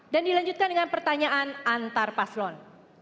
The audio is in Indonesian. dan dilanjutkan dengan pertanyaan antar paslon